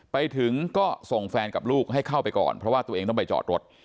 ไปถึงก็ส่งแฟนกับลูกให้เข้าไปก่อนเพราะว่าตัวเองต้องไปจอดรถ